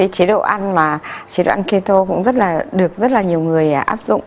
chế độ ăn keto cũng được rất nhiều người áp dụng